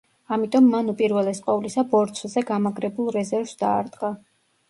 ამიტომ მან უპირველეს ყოვლისა ბორცვზე გამაგრებულ რეზერვს დაარტყა.